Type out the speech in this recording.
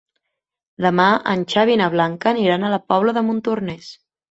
Demà en Xavi i na Blanca aniran a la Pobla de Montornès.